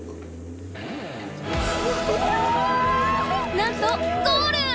なんとゴール！